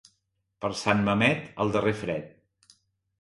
Per Sant Mamet, el darrer fred.